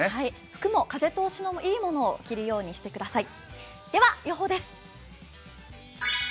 服も風通しのいいものを着るようにしてください。